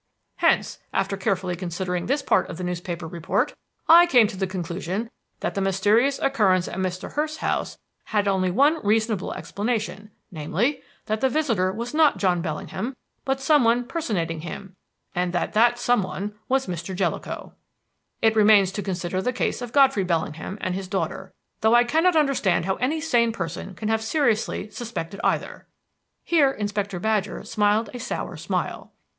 "Hence, after carefully considering this part of the newspaper report, I came to the conclusion that the mysterious occurrence at Mr. Hurst's house had only one reasonable explanation, namely, that the visitor was not John Bellingham, but some one personating him; and that that some one was Mr. Jellicoe. "It remains to consider the case of Godfrey Bellingham and his daughter, though I cannot understand how any sane person can have seriously suspected either" (here Inspector Badger smiled a sour smile).